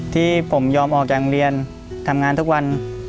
ที่ผมยอมออกจากโรงเรียนทำงานทุกวัน